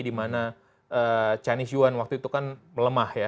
dimana chinese yuan waktu itu kan melemah ya